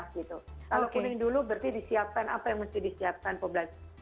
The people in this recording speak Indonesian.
kalau kuning dulu berarti disiapkan apa yang mesti disiapkan publik